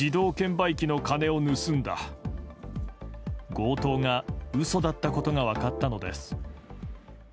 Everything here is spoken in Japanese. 強盗が嘘だったことが分かったのです。